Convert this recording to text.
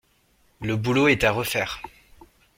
Le boulot est à refaire.